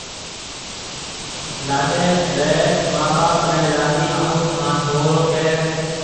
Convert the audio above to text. لاڏيَ ريَ مان ٻاپ نَي لاڏيِ هاهوُ هانَ هوُرو ڪهيَ هيَ۔